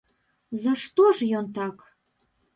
За што ж ён так?